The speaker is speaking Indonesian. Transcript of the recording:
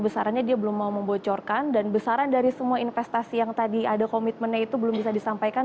besarannya dia belum mau membocorkan dan besaran dari semua investasi yang tadi ada komitmennya itu belum bisa disampaikan